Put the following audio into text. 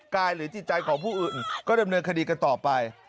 กายหรือจิตใจของผู้อื่นก็เดิมเนื้อคดีกันต่อไป